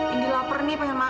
ini lapar nih pengen makan